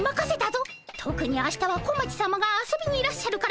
とくに明日は小町さまが遊びにいらっしゃるから慎重にな。